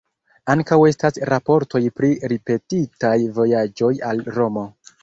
Ankaŭ estas raportoj pri ripetitaj vojaĝoj al Romo.